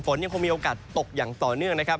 ยังคงมีโอกาสตกอย่างต่อเนื่องนะครับ